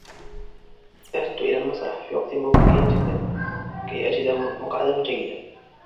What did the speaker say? ذهبت إلى المسرح في وقت مبكر جدا كي أجد مقعدا جيدا.